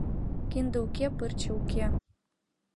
Кинде уке, пырче уке.